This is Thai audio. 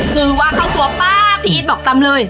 คือวางข้างทัวร์ปป้าพี่อิสบอกตำเลย